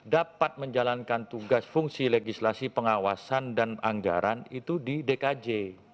dapat menjalankan tugas fungsi legislasi pengawasan dan anggaran itu di dkj